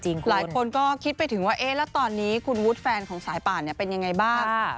หลายคนก็คิดไปถึงว่าเอ๊ะแล้วตอนนี้คุณวุฒิแฟนของสายป่านเป็นยังไงบ้าง